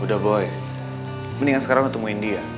udah boy mendingan sekarang ketemu indy ya